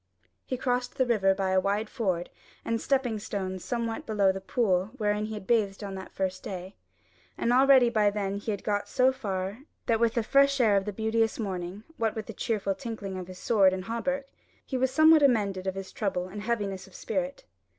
He crossed the river by a wide ford and stepping stones somewhat below the pool wherein he had bathed on that first day; and already by then he had got so far, what with the fresh air of the beauteous morning, what with the cheerful tinkling of his sword and hauberk, he was somewhat amended of his trouble and heaviness of spirit.